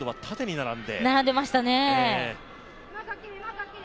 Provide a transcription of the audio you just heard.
並んでましたね。